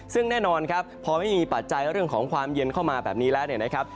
ซึ่งแน่นอนครับพอไม่มีปัจจัยเรื่องของความเย็นเข้ามาแบบนี้แล้วเนี่ยนะครับ